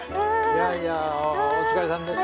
いやいやお疲れさんでした。